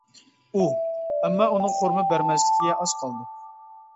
ئۇ: ئەمما ئۇنىڭ خورما بەرمەسلىكىگە ئاز قالدى.